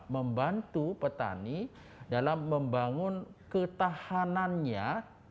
membantu petani dalam membangun ketahanannya